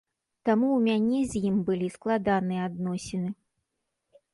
Таму ў мяне з ім былі складаныя адносіны.